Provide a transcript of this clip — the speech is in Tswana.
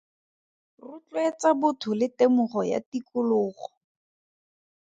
Rotloetsa botho le temogo ya tikologo.